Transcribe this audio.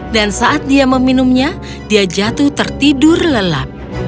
dan saat dia meminumnya dia jatuh tertidur lelap